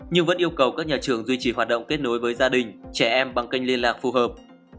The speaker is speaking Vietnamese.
nhưng vẫn yêu cầu các nhà trường duy trì hoạt động kết nối với gia đình trẻ em bằng kênh liên lạc phù hợp